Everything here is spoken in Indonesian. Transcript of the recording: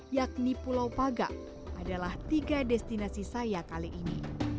yakni pulau pagang adalah tiga destinasi saya kali ini